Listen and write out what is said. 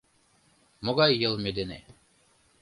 Могай йылме дене?